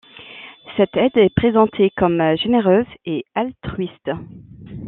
Cette aide est présentée comme généreuse et altruiste.